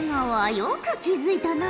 よく気付いたな。